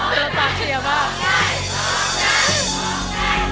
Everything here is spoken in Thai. เดี๋ยวตามเชียร์บ้าง